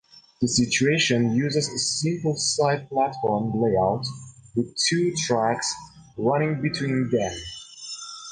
The station uses a simple side platform layout with two tracks running between them.